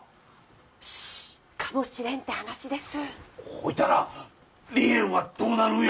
しッかもしれんって話ですほいたら離縁はどうなるんや？